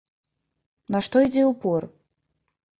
На што ідзе ўпор?